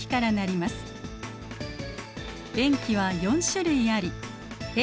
塩基は４種類ありＡ